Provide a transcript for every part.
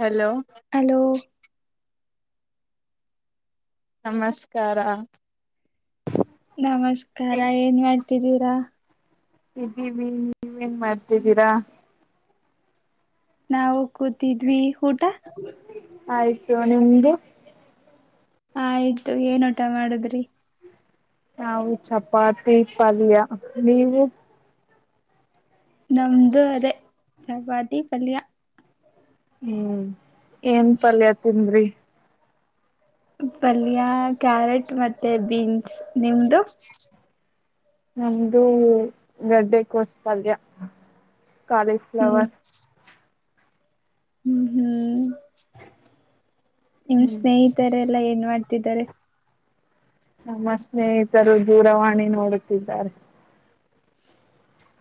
hello hello ನಮಸ್ಕಾರ ನಮಸ್ಕಾರ ಏನ್ ಮಾಡ್ತಿದ್ದೀರಾ ಇದ್ದೀವಿ ನೀವೇನ್ ಮಾಡ್ತಿದ್ದೀರಾ ನಾವು ಕೂತಿದ್ವಿ ಊಟ ಆಯ್ತು ನಿಮ್ದು ಆಯ್ತು ಏನ ಟ ಮಾಡುದ್ರಿ ನಾವು ಚಪಾತಿ ಪಲ್ಯ ನೀವು ನಮ್ದು ಅದೇ ಜಪಾತಿ ಪಲ್ಯ ಹ್ಮ್ ಏನ್ ಪಲ್ಯ ತಿಂದ್ರಿ ಪಲ್ಯ ಕ್ಯಾರೆಟ್ ಮತ್ತೆ ಬೀನ್ಸ್ ಹ್ಮ್ ನಿಮ್ದು [unintelligible] ನಮ್ದು ಗಡ್ಡೆಕೋಸ್ಪಲ್ಯ ಹ್ಮ್ ಕಾಲೇಸಪ್ಲವರ್ ಹ್ಮ್ ಹ್ಮ್ ಹ [unintelligible] ನಿಮ್ ಸ್ನೇಹಿತರೆಲ್ಲಾ ಏನ್ ಮಾಡ್ತಿದ್ದಾರೆ ನಮ್ಮ ಸ್ನೇಹಿತರು ದೂರವಾಣಿ ನೋಡುತ್ತಿದ್ದಾರೆ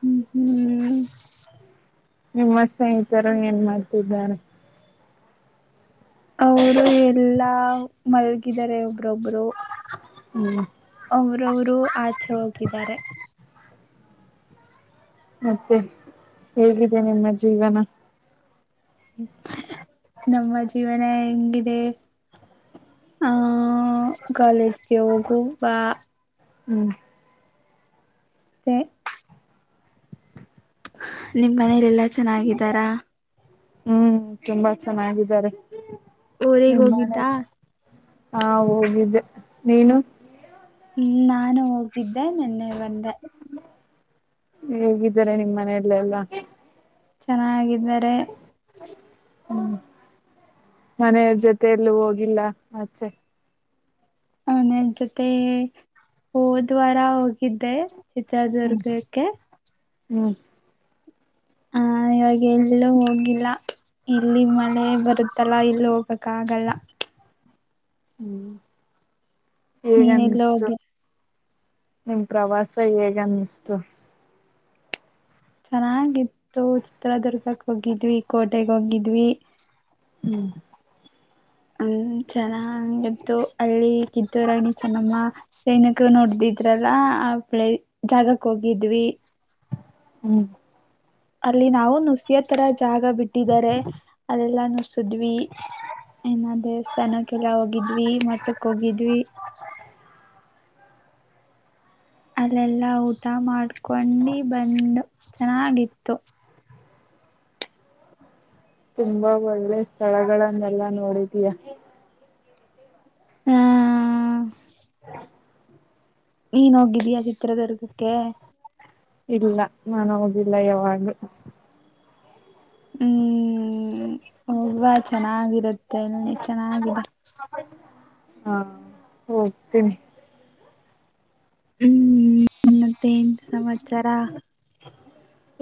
ಹ್ಮ್ ಹ್ಮ್ ನಿಮ್ಮ ಸ್ನೇಹಿತರು ಏನ್ ಮಾಡ್ತಿದ್ದಾರೆ ಅವರು ಎಲ್ಲಾ ಮಲಗಿದಿದ್ದಾರೆ ಒಬ್ರೊಬ್ರು ಹ್ಮ್ [unintelligible] ಒಬ್ಬೊಬ್ರು ಆಚೆ ಹೋಗಿದ್ದಾರೆ ಮತ್ತೆ ಹೇಗಿದೆ ನಿಮ್ಮ ಜೀವನ ನಮ್ಮ ಜೀವನ ಹೆಂಗಿದೆ ಆಹ ಕಾಲೇಜ್ಗೆ ಹೋಗು ಬಾ ಹ್ಮ್ ಹ [unintelligible] ನಿಮ್ ಮನೇಲೆಲ್ಲಾ ಚೆನ್ನಾಗಿದ್ದಾರಾ ಹ್ಮ್ ತುಂಬಾ ಚೆನ್ನಾಗಿದ್ದಾರೆ ಊರಿಗೆ ನಿಮ್ಮ ಮನೆ ಹೋಗಿದ್ದಾ ಹಾ ಹೋಗಿದ್ದೆ ನೀನು ಹ್ಮ ನಾನು ಹೋಗಿದ್ದೆ ನೆನ್ನೆ ಬಂದೆ ಹೇಗಿದ್ದಾರೆ ನಿಮ್ಮ್ ಮನೆಯಲ್ಲ ಎಲ್ಲ ಚೆನ್ನಾಗಿದ್ದಾರೆ ಹ್ಮ್ ಮನೆಯವ್ರ ಜೊತ ಎಲ್ಲೂ ಹೋಗಿಲ್ಲ ಆಚೆ ಮನೆ ಅವರು ಜೊತೆ ಹೋದ ವಾರ ಚಿತ್ರದುರ್ಗಕ್ಕೆ ಹ್ಮ್ ಹ ಇವಾಗ ಎಲ್ಲಿ ಹೋಗ ಇಲ್ಲ ಇಲ್ಲಿ ಮಳೆ ಬರುತ್ತಲ್ಲ ಇಲ್ಲಿ ಹೋಗ್ಬೇಕಕ್ ಆಗಲ್ಲ ಹ್ಮ್ ನೀನ್ ಎಲ್ಲ ಹೇಗನ್ಷ್ಟು ಹೋಗಿ ನಿಮ ಪ್ರವಾಸ ಹೇಗ ಅನ್ನಿಸ್ತು ಚೆನ್ನಾಗಿತ್ತು ಚಿತ್ರದುರ್ಗಕ್ ಹೋಗಿದ್ವಿ ಕೋಟೆಗ ಹೋಗಿದ್ವಿ ಹ್ಮ್ ಹ್ಮ ಚೆನ್ನಾಗಿತ್ತು ಅಲ್ಲಿ ಕಿತ್ತೂ ರಾಣಿ ಚೆನ್ನಮ್ಮ ಸೈನಿಕರು ನೋಡ್ದಿದ್ರಲ್ಲಿ ಎಲ್ಲ ಆ ಬೆಳೆ ಜಾಗಕ್ ಹೋಗಿದ್ವಿ ಹ್ಮ್ ಅಲ್ಲಿ ನಾವು ನುಸಿಯೋ ತರ ಜಾಗ ಬಿಟ್ಟಿದ್ದಾರೆ ಅಲ್ಲೆಲ್ಲಾ ನ ಸುದ್ವಿ ಏನ ದೇವಸ್ಥಾನಕ್ಕೆಲ್ಲ ಹೋಗಿದ್ವಿ ಮಠಕ್ಕೆ ಹೋಗಿದ್ವಿ ಅಲ್ಲೆಲ್ಲಾ ಊಟ ಮಾಡ್ಕೊಂಡಿ ಬಂದ್ ಚೆನ್ನಾಗಿತ್ತು ತುಂಬಾ ಒಳ್ಳೆ ಸ್ಥಳಗಳನ್ನೆಲ್ಲಾ ನೋಡಿದಯ ಹಾ ಹ ನೀನ್ ಹೋಗಿದೀಯಾ ಚಿತ್ರದುರ್ಗಕ್ಕೆ ನಾನ ಹದಿಲ್ಲ ಯಾವಾಗ ಹ್ಮ್ ಹೋಗ್ುವ ಚೆನ್ನಾಗಿರುತ್ತೆ ಎಲ್ಲಿ ಚೆನ್ನಾಗಿದೆ ಹಾ ಹೋಗ್ತೀನಿ ಹ್ಮ್ ಮತ್ತೆ ನ್ ಸಮಾಚಾರ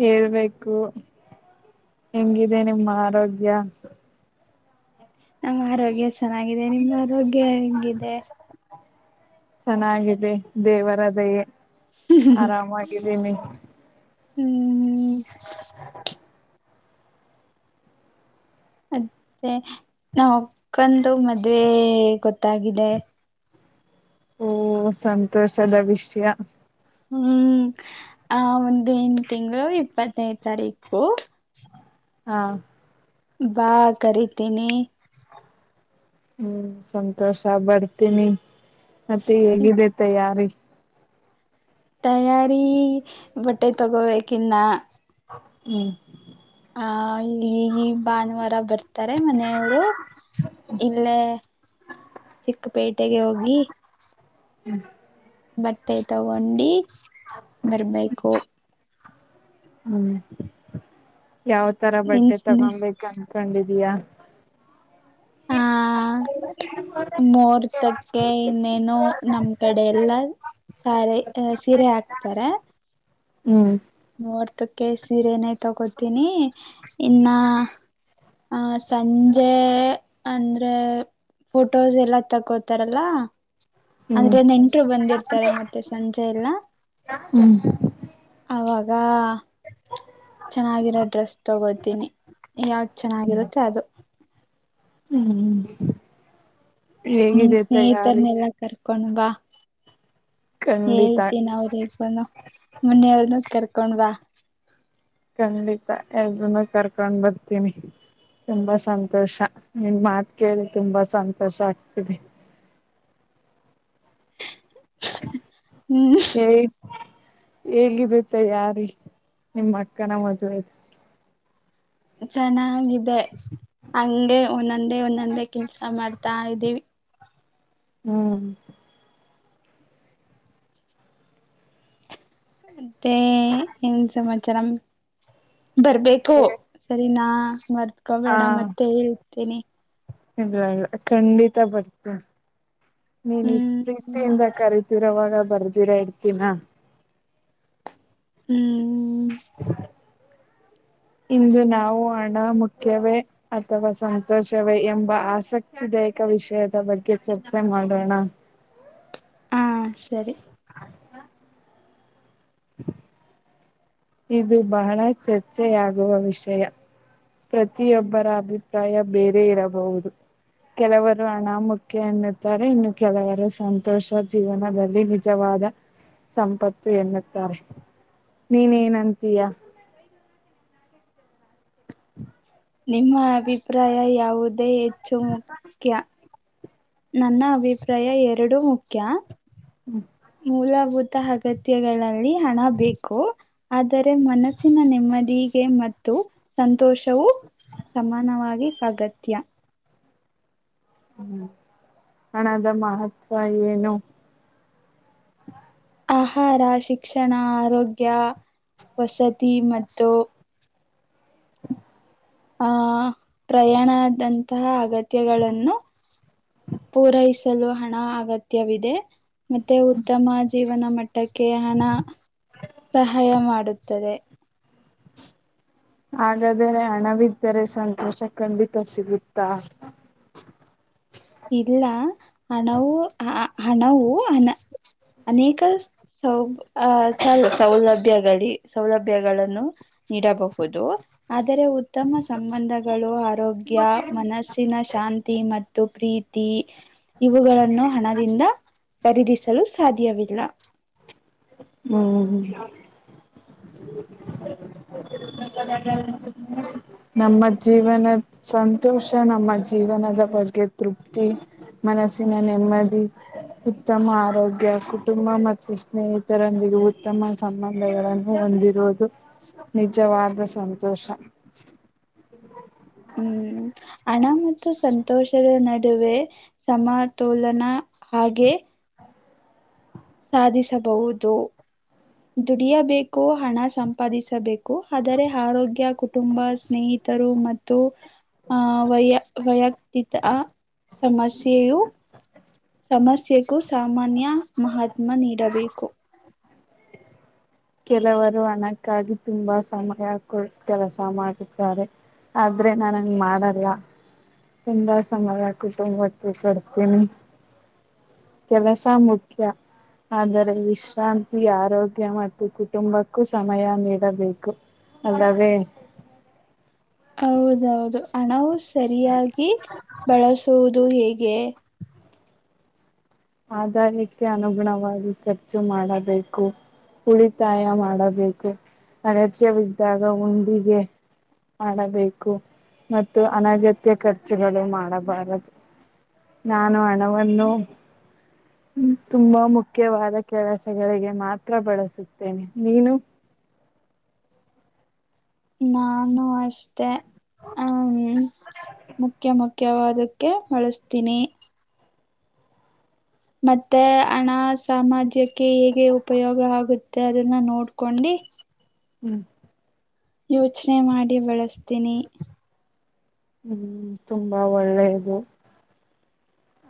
ಹೇಳ್ಬೇಕು ಹೆಂಗಿದೆ ನಿಮ್ಮ ಆರೋಗ್ಯ ನಮ್ಮ ಆರೋಗ್ಯ ಚೆನ್ನಾಗಿದೆ ನಿಮ್ಮ ಆರೋಗ್ಯ ಹಂಗಿದೆ ಚೆನ್ನಾಗಿದೆ ದೇವರದಯೇ ಆರಾಮಾಗಿದ್ದೀನಿ ಹ್ಮ್ ಮತ್ತೆ ನಾಕ್ಕಂದುು ಮದ್ವೆ ಗೊತ್ತಾಗಿದೆ ಓ ಸಂತೋಷದ ವಿಷಯ ಹ್ಮ್ ಆ ಒಂದೇನ್ ತಿಂಗಳು ಇಪ್ಪತ್ತನೇ ತಾರೀಕು ಹಾ ಬಾ ಕರಿತೀನಿ ಹ್ಮ್ ಸಂತೋಷ ಬರ್ತೀನಿ ಮತ್ತೆ ಹೇಗಿದೆ ತಯಾರಿ ತಯಾರಿ ಬಟ್ಟೆ ತಗೋಬೇಕಿನ್ನ ಹ್ಮ್ ಹ ಈಗ ಭಾನುವಾರ ಬರ್ತಾರೆ ಮನೆಯವರು ಇಲ್ಲೇ ಚಿಕ್ಕಪೇಟೆಗೆ ಹೋಗಿ ಹ್ಮ್ ಬಟ್ಟೆ ತಗೊಂಡು ಬರ್ಬೇಕು ಹ್ಮ್ ಯಾವ ತರ ನಿನ್ ಬಟ್ಟೆ ಸ್ನೇ ತಗೊಬೇಕಾನ ಕಂಡಿದಯಾ ಹಾ ಮುಹೂರ್ತಕ್ಕೆ ಇನ್ನೇನು ನಮ್ ಕಡೆ ಎಲ್ಲ ಸಾರಿ ಸೀರೆ ಹಾಕ್ತಾರ ಹ್ಮ್ ನೋಡ್ತಕ್ಕೆ ಸೀರೆನೇ ತಗೋತೀನಿ ಇನ್ನ ಹ ಸಂಜೆ ಅಂದ್ರೆ ಫೋಟೋಸ್ ಎಲ್ಲ ತಗೋತಾರಲ್ಲ ಹ್ಮ್ ಅಂದ್ರೆ ನೆಂಟರು ಬಂದಿರ್ತಾರೆ ಮತ್ತೆ ಸಂಜೆ ಎಲ್ಲ ಹ್ಮ್ ವಾ ಚೆನ್ನಾಗಿರೋ ಡ್ರೆಸ್ ತಗೋತೀನಿ ಯಾವ್ದ ಚೆನ್ನಾಗಿರುತ್ತೆ ಅದು ಹ್ಮ್ ನಿನ್ ಹೇಗಿದೆ ತಯಾರಿ ಸ್ನೇಹಿತರ್ನೆಲ್ಲಾ ಕರ್ಕೊೊಂಡ್ ಬ ಖಂಡಿತ ಹೇಳ್ತೀ ನ ಅವ ರೇಪನು ಮೊನೆಯರ್ನು ಕರ್ಕೊಂಡ್ವಾ ಖಂಡಿತ ಎಲ್ನು ಕರ್ಕೊಂಡ್ ಬರ್ತೀನಿ ತುಂಬಾ ಸಂತೋಷ ನಿನ್ ಮಾತ್ ಕೇಳಿ ತುಂಬಾ ಸಂತೋಷ ಆಗ್ತದೆ ಹ್ಮ್ ಹೇಗಿದ್ದತ್ತ ಯಾರಿ ನಿಮ್ಮ ಅಕ್ಕನ ಮದ್ುವೆದು ಚೆನ್ನಾಗಿದೆ ಹಂಗೆ ಒಂದೊಂದೇ ಒಂದೊಂದೇ ಕೆಲ್ಸ ಮಾಡ್ತಾ ಇದ್ದೀವಿ ಹ್ಮ್ ಅತ್ತೇ ಏನ್ ಸಮಮಾಚರಂ ಬರ್ಬೇಕು ಸರಿ ನಾ ಮರ್ದಕೊಬೇಡ ಹ ಮತ್ತೆ ಹೇತೇನಿ ಇಲ್ಲ ಇಲ್ಲ ಖಂಡಿತ ಬರ್ತೀ ನೀನ್ ಹ್ಮ್ ಪ್ರೀತಿಯಿಂದ ಕರತೀ ಇರುವಾಗ ಬರ್ದಿರ ಇರ್ತೀನ ಹ ಛೆ [inaudible] ಇಂದು ನಾವು ಹಣ ಮುಖ್ಯವೇ ಅಥವಾ ಸಂತೋಷವೇ ಎಂಬ ಆಸಕ್ತಿದೆ ಪ್ರೇಕ ವಿಷಯದ ಬಗ್ಗೆ ಚರ್ಚೆ ಮಾಡೋಣ ಹಾ ಸರಿ ಛೆ [inaudible] ಇದು ಬಹಳ ಚರ್ಚೆಯಾಗುವ ವಿಷಯ ಪ್ರತಿಯೊಬ್ಬರ ಅಭಿಪ್ರಾಯ ಬೇರೆ ಇರಬಹುದು ಕೆಲವರು ಹಣಾಮುಖ್ಯ ಎನ್ನುತ್ತಾರೆ ಇನ್ನು ಕೆಲವರು ಸಂತೋಷ ಜೀವನದಲ್ಲಿ ನಿಜವಾಗ ಸಂಪತ್ತು ಎನ್ನುತ್ತಾರೆ ನೀನ್ ಏನ್ ಅಂತೀಯ ನಿಮ್ಮ ಅಭಿಪ್ರಾಯ ಯಾವುದೇ ಹೆಚ್ಚು ಮುಖ್ಯ ನನ್ನ ಅಭಿಪ್ರಾಯ ಎರಡು ಮುಖ್ಯ ಕ [inaudible] ಮೂಲಭೂತ ಅಗತ್ಯಗಳಲ್ಲಿ ಹಣ ಬೇಕು ಆದರೆ ಮನಸ್ಸಿನ ನೆಮ್ಮದಿಗೆ ಮತ್ತು ಸಂತೋಷ ವು ಸಮಾನವಾಗಿ ಅಗತ್ಯ ಹ್ಮ್ ಹಣದ ಮಹತ್ವ ಏನು ಆಹಾರ ಶಿಕ್ಷಣ ಆರೋಗ್ಯ ವಸತಿ ಮತ್ತು ಹಾ [inaudible] ಪ್ರಯಾಣದಂತಹ ಅಗತ್ಯಗಳನ್ನು ಪೂರೈಸ ಲು ಹಣ ಅಗತ್ಯವಿದೆ ಮತ್ತೆ ಉತ್ತಮ ಜೀವನ ಮಟ್ಟಕ್ಕೆ ಹಣ ಸಹಾಯ ಮಾಡುತ್ತೆ ತ್ತರೆ [inaudible] ಹಾಗಾದ್ರೆ ಹಣ ಬಿದ್ದರೆ ಸಂತೋಷ ಖಂಡಿತ ಸಿಗುತ್ತಾ ಇಲ್ಲ ಹಣವು ಹಣವು ಹನ ಅನೇಕ ಸೌ ಸೌಲಭ್ಯಗಳಿ ಸೌಲಭ್ಯಗಳನ್ನು ನೀಡಬಹುದು ಆದರೆ ಉತ್ತಮ ಸಂಬಂಧಗಳು ಆರೋಗ್ಯ ಮನಸ್ಸಿನ ಶಾಂತಿ ಮತ್ತು ಪ್ರೀತಿ ಇವುಗಳನ್ನು ಹಣದಿಂದ ಖರೀದಿಸಲು ಸಾಧ್ಯವಿದೆ ಇಲ್ಲ ಹ್ಮ್ ಹ [unintelligible] ನಮ್ಮ ಜೀವನ ಸಂತ [inaudible] ಬುಷಃ ನಮ್ಮ ಜೀವನದ ಬಗ್ಗೆ ತೃಪ್ತಿ ಮನಸ್ಸಿನ ನೆಮ್ಮದಿ ಉತ್ತಮ ಆರೋಗ್ಯ ಕುಟುಂಬ ಮತ್ತು ಸ್ನೇಹಿತ ಇದರೊಂದಿಗೆ ಉತ್ತಮ ಸಂಬಂಧಗಳನ್ನು ಹೊಂದಿರುವುದು ನಿಜವಾದ ಸಂತೋಷ [inaudible] ಹ್ಮ್ ಹಣ ಮತ್ತು ಸಂತೋಷದ ನಡುವೆ ಸಮತೋಲನ ಹಾಗೆ ಸಾಧಿಸಬಹುದು ದುಡಿಯಬೇಕು ಹಣ ಸಂಪಾದಿಸಬೇಕು ಆದರೆ ಆರೋಗ್ಯ ಕುಟುಂಬ ಸ್ನೇಹಿತರು ಮತ್ತು ಆ ವೈಯ ವೈಯಕ್ತಿಕ ಸಮಸ್ಯೆಯು ಸಮಸ್ಯೆಗೂ ಸಾಮಾನ್ಯ ಮಹತ್ ಕಮ ನೀಡಬೇಕು ಕೆಲವರು ಹಣಕ್ಕಾಗಿ ತುಂಬಾ ಸಮಯ ಕೊ ಕೆಲಸ ಮಾಡುತ್ತಾರೆ ಆದ್ರೆ ನಾ ಹಂಗ್ ಮಾಡಲ್ಲ ಎಂದ ಸಮಯಕಿ ತ ಒಟ್ಟ ಚಡ್ತನಿ ಕೆಲಸ ಮುಖ್ಯ ಆದರೆ ವಿಶ್ರಾಂತಿ ಆರೋಗ್ಯ ಮತ್ತು ಕುಟುಂಬಕ್ಕೂ ಸಮಯ ನೀಡಬೇಕು ಅದದೇ ಹ ಹೌದೌದು ಹಣವು ಸರಿಯಾಗಿ ಬಳಸುವುದು ಹೇಗೆ ಆದಾಯಕ್ಕೆ ಅನುಗುಣವಾಗಿ ಖರ್ಚು ಮಾಡಬೇಕು ಉಳಿತಾಯ ಮಾಡಬೇಕು ಅಗತ್ಯವಿದ್ದಾಗ ಉಂಡಿಗೆ ಮಾಡಬೇಕು ಮತ್ತು ಅನಗತ್ಯ ಖರ್ಚುಗಳು ಮಾಡಬಾರದು ನಾನು ಹಣವನ್ನು [inaudible] ತುಂಬಾ ಮುಖ್ಯವಾದ ಕೆಲಸಗಳಿಗೆ ಮಾತ್ರ ಬಳಸುತ್ತೇನೆ ನೀನು ನಾನು ಅಷ್ಟೇ ಹ್ಮ ಮುಖ್ಯ ಮು ಖ್ಯವಾದಕ್ಕೆ ಬಳಸ್ತೀನಿ ಮತ್ತೆ ಹಣ ಸಾಮಾಜ್ಯಕ್ಕೆ ಹೇಗೆ ಉಪಯೋಗ ಆಗುತ್ತೆ ಅದನ್ನ ನೋಡ್ಕೊಂಡಿ [inaudible] ಹ್ಮ್ ಯೋಚ್ನೆ ಮಾಡಿ ಬಳಸ್ತೀನಿ ಹ್ಮ್ ತುಂಬಾ ಒಳ್ಳೆದು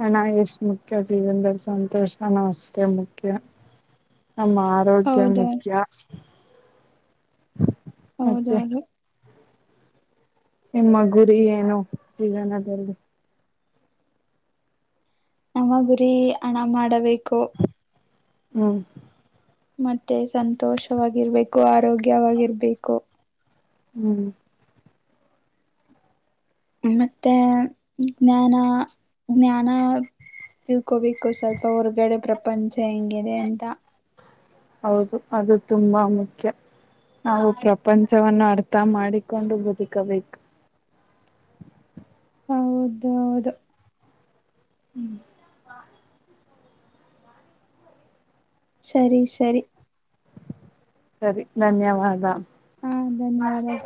ಹಣಾ ಎಷ್ಟು ಮುಖ್ಯ ಜೀವಂದಲ್ ಸಂತೋಷನೂ ಅಷ್ಟೇ ಮುಖ್ಯ [inaudible] ನಮ್ಮ ಆರೋಗ್ಯ ಹೌದು ಮುಖ್ಯ ಮತ್ತೆ ಹೌದೌದು ನಿಮ್ಮ ಗುರಿ ಏನು ಜೀವನದಲ್ಲಿ ನಮ್ಮ ಗುರಿ ಹಣ ಮಾಡಬೇಕು ಹ್ಮ ಮತ್ತೆ ಸಂತೋಷವಾಗಿರ್ಬೇಕು ಆರೋಗ್ಯವಾಗಿರ್ಬೇಕು ಹ್ಮ್ ಮತ್ತೆ ಜ್ಞಾನ ಜ್ಞಾನ ತಿಳ್ಕೋಬೇಕು ಸ್ವಲ್ಪ ಹೊರ್ಗಡೆ ಪ್ರಪಂಚ ಹೆಂಗಿದೆ ಅಂತ ಹೌದು ಅದು ತುಂಬಾ ಮುಖ್ಯ ನಾವು ಪ್ರಪಂಚವವನ್ನು ಅಡ್ ತ ಮಾಡಿಕೊಂಡು ಬದುಕಬೇಕು ಹೌದು ಹೌದು ಹ್ಮ್ ಸರಿ ಸರಿ ಸರಿ ಧನ್ಯವಾದ ಹಾ ಧನ್ಯವಾದಗಳು